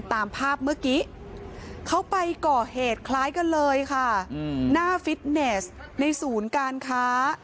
ตามภาพเมื่อกี้เขาไปก่อเหตุคล้ายกันเลยค่ะหน้าฟิตเนสในศูนย์การค้า